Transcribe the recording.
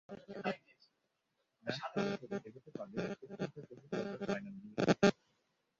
Match ধরে ধরে এগোতে পারলে এরপর চিন্তা করব কোয়ার্টার ফাইনাল নিয়ে।